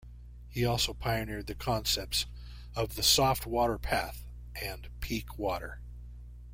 He also pioneered the concepts of the soft water path, and peak water.